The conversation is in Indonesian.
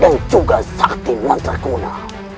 dan juga sakti mantra kuno